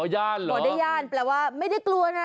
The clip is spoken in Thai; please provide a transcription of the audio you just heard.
ย่านเหรอพอได้ย่านแปลว่าไม่ได้กลัวนะ